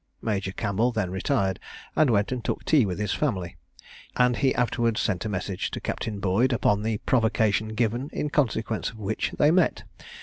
Major Campbell then retired, and went and took tea with his family; and he afterwards sent a message to Captain Boyd upon the provocation given, in consequence of which they met.